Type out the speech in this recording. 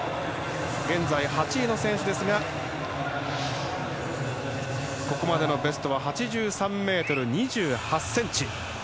現在、８位の選手ですがここまでのベストは８３ｍ２８ｃｍ。